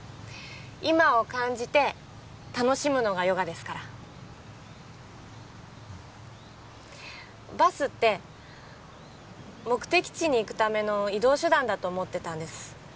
今を感じて楽しむのがヨガですからバスって目的地に行くための移動手段だと思ってたんです